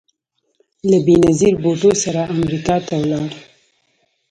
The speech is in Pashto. له بېنظیر بوټو سره امریکا ته ولاړ